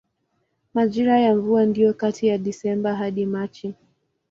Majira ya mvua ndiyo kati ya Desemba hadi Machi.